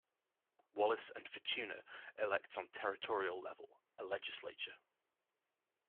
Wallis and Futuna elects on territorial level a legislature.